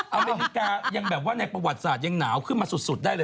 อเมริกายังแบบว่าในประวัติศาสตร์ยังหนาวขึ้นมาสุดได้เลย